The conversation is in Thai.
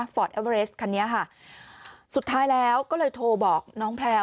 ฟอร์ตเอเวอเรสคันนี้สุดท้ายแล้วก็เลยโทรบอกน้องแพลว